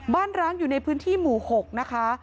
ร้างอยู่ในพื้นที่หมู่๖นะคะ